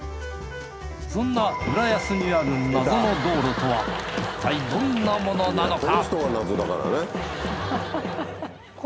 そんな浦安にある謎の道路とはいったいどんなものなのか？